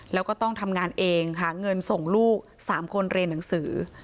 แล้วก็ต้องทำงานเองหาเงินส่งลูก๓คนเรียนหนังสือ